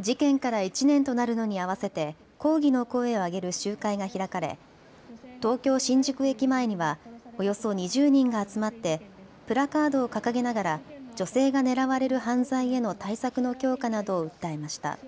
事件から１年となるのに合わせて抗議の声を上げる集会が開かれ東京新宿駅前にはおよそ２０人が集まってプラカードを掲げながら女性が狙われる犯罪への対策の強化などを訴えました。